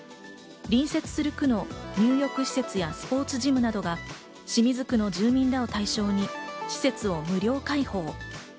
隣接する区の入浴施設やスポーツジムなどが清水区の住民らを対象に施設を無料開放。